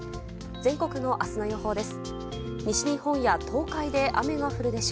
全国の明日の予報です。